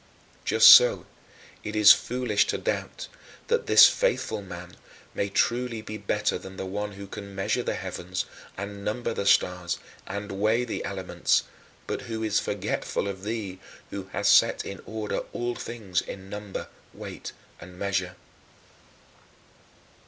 Just so it is foolish to doubt that this faithful man may truly be better than the one who can measure the heavens and number the stars and weigh the elements, but who is forgetful of thee "who hast set in order all things in number, weight, and measure."